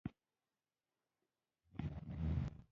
شېرګل د توت سيوري ته ولاړ.